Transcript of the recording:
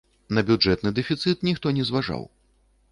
На бюджэтны дэфіцыт ніхто не зважаў.